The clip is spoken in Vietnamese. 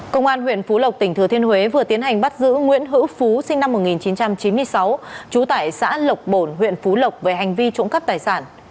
công an huyện phú lộc tỉnh thừa thiên huế vừa tiến hành bắt giữ nguyễn hữu phú sinh năm một nghìn chín trăm chín mươi sáu trú tại xã lộc bồn huyện phú lộc về hành vi trộm cắp tài sản